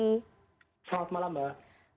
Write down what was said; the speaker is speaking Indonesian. selamat malam mbak